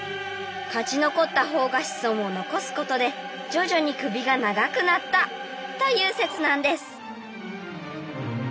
勝ち残ったほうが子孫を残すことで徐々に首が長くなったという説なんです。